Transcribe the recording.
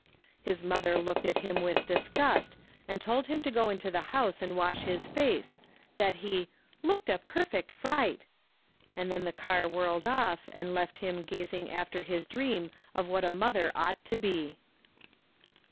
His mother looked at him with disgust and told him to go into the house and wash his face, that he " looked a perfect fright "; and then the car whirled off and left him gazing after his dream of what a mother ought to be.